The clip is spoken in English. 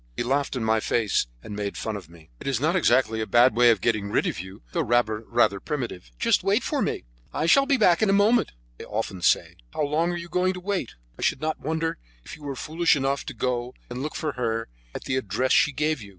He laughed in my face, and made fun of me. "It is not exactly a bad way of getting rid of you, though rather primitive. 'Just wait for me, I shall be back in a moment,' they often say. How long are you going to wait? I should not wonder if you were foolish enough to go and look for her at the address she gave you.